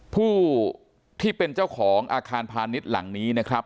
ผู้ที่เป็นเจ้าของอาคารพาณิชย์หลังนี้นะครับ